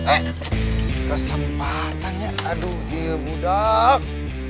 eh kesempatannya aduh iya budak